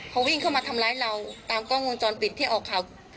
เขาวิ่งเข้ามาทำร้ายเราตามกล้องวงจรปิดที่ออกข่าว